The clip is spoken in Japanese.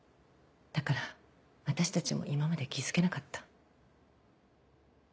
だから私たちも今まで気付けなかった。